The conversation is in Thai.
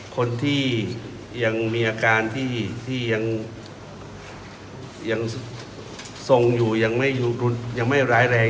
คนที่ยังมีอาการที่ที่ยังยังทรงอยู่ยังไม่อยู่ยังไม่ร้ายแรง